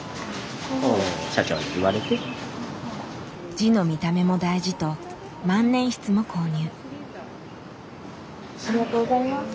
字の見た目も大事と万年筆も購入。